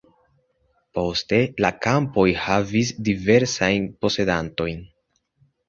Poste la kampoj havis diversajn posedantojn.